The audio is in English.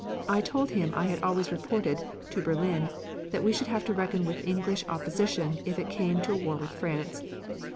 I told him I had always reported (to Berlin) that we should have to reckon with English opposition if it came to a war with France.